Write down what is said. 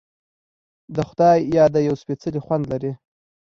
د خدای یاد یو سپیڅلی خوند لري.